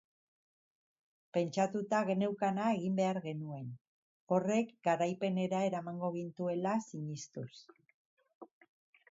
Pentsatuta geneukana egin behar genuen, horrek garaipenera eramango gintuela sinistuz.